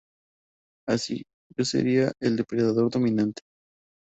Así, yo sería... El depredador dominante.